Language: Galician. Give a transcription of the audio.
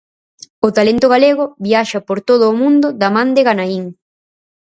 O talento galego viaxa por todo o mundo da man de Ganaín.